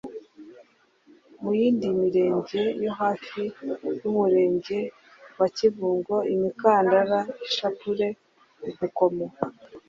mu yindi mirenge yo hafi y umurenge wa kibungo imikandara ishapule udukomo